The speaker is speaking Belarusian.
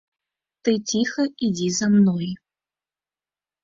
Ты ціха ідзі за мной.